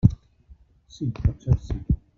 Sí, potser sí.